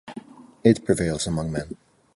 It prevails among men.